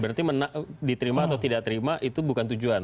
berarti diterima atau tidak terima itu bukan tujuan